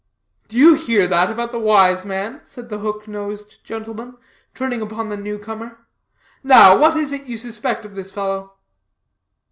"Do you hear that about the wise man?" said the hook nosed gentleman, turning upon the new comer. "Now what is it you suspect of this fellow?"